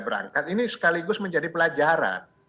berangkat ini sekaligus menjadi pelajaran